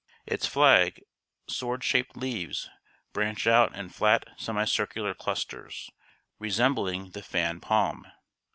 Its flag, sword shaped leaves branch out in flat semicircular clusters, resembling the fan palm.